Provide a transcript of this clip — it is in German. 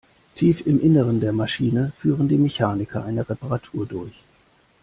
Tief im Innern der Maschine führen die Mechaniker eine Reparatur durch.